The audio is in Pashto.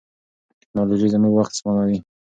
ټیکنالوژي زموږ وخت سپموي.